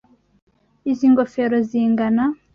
Izi ngofero zingana.